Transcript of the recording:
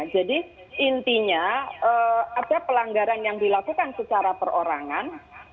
jadi intinya ada pelanggaran yang dilakukan secara perorangan